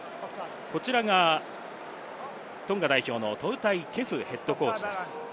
こちらがトンガ代表のトウタイ・ケフＨＣです。